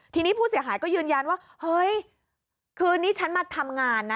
ทีนี้ผู้เสียหายก็ยืนยันว่าเฮ้ยคืนนี้ฉันมาทำงานนะ